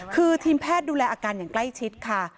คือทีมแพทย์ดูแลอาการอย่างใกล้ชิดค่ะ